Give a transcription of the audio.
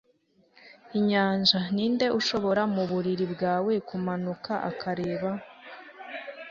inyanja, ninde ushobora mu buriri bwawe kumanuka akareba